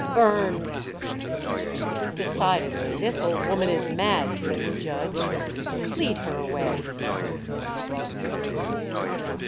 burn!'" " Decidedly this old woman is mad," said the judge. " Lead her away."